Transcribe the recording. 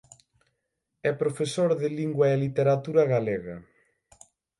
É profesor de lingua e literatura galega.